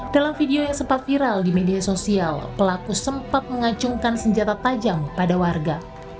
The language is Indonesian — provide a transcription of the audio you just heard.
dalam video yang sempat viral di media sosial pelaku sempat mengacungkan senjata tajam pada warga